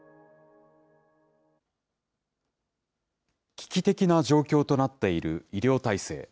危機的な状況となっている医療体制。